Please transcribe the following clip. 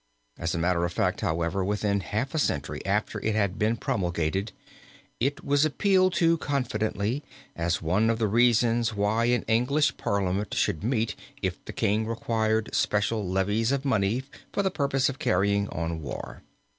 As a matter of fact, however, within half a century after it had been promulgated, it was appealed to confidently as one of the reasons why an English Parliament should meet if the King required special levies of money for the purpose of carrying on war.